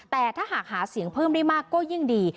แต่ถ้าหากหาเสียงเพิ่มได้มากก็ยิ่งดี